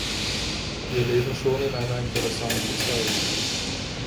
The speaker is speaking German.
Wir leben schon in einer interessanten Zeit.